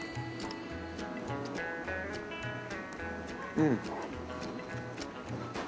うん。